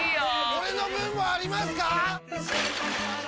俺の分もありますか！？